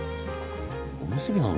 おむすびなんだ。